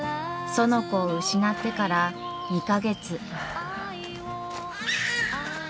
園子を失ってから２か月。